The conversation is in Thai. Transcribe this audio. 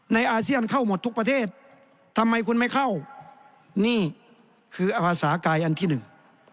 อาเซียนเข้าหมดทุกประเทศทำไมคุณไม่เข้านี่คืออภาษากายอันที่หนึ่ง